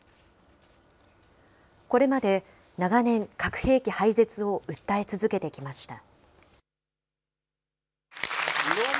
これまで長年、核兵器廃絶を訴え続けてきました。